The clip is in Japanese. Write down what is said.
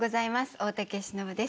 大竹しのぶです。